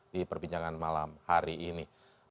di perbincangan malam hari ini